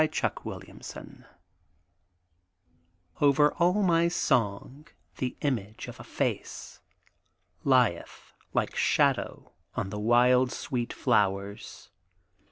THE NEGRO SINGER O'er all my song the image of a face Lieth, like shadow on the wild sweet flowers.